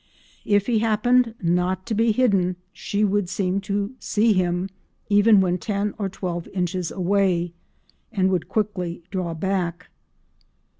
If he happened not to be hidden, she would seem to see him, even when ten or twelve inches away, and would quickly draw back."